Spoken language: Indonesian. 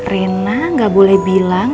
rena gak boleh bilang